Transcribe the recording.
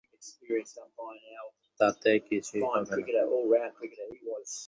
তাতে কিছুই হবে না।